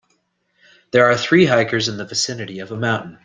There are three hikers in the vicinity of a mountain.